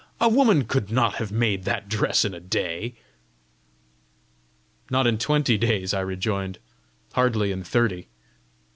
"A woman could not have made that dress in a day!" "Not in twenty days," I rejoined, "hardly in thirty!"